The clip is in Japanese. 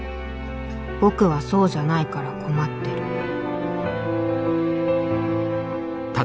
僕はそうじゃないから困ってる」